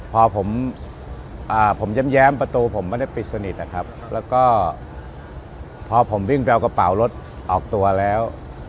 พอผมแย้มประตูผมไม่ได้ปิดสนิทนะครับแล้วก็พอผมวิ่งไปเอากระเป๋ารถออกตัวแล้ว